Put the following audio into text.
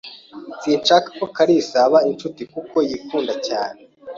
Sinshaka ko kalisa aba inshuti kuko yikunda cyane.